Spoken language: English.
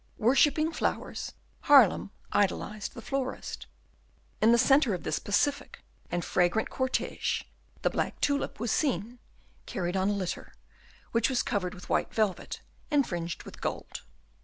Worshipping flowers, Haarlem idolised the florist. In the centre of this pacific and fragrant cortege the black tulip was seen, carried on a litter, which was covered with white velvet and fringed with gold.